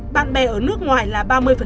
bạn bè ở nước ngoài là ba mươi